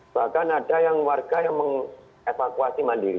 bahkan ada yang warga yang mengevakuasi mandiri